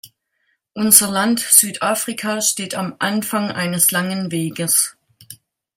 Unser Land Südafrika steht am Anfang eines langen Weges.